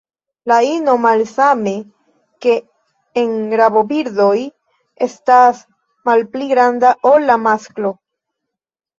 La ino, malsame ke en rabobirdoj, estas malpli granda ol la masklo.